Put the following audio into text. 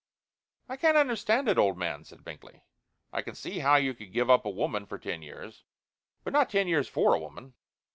"I can't understand it, old man," said Binkley. "I can see how you could give up a woman for ten years, but not ten years for a woman.